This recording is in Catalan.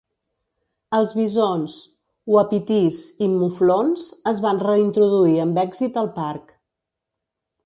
Els bisons, uapitís i muflons es van reintroduir amb èxit al parc.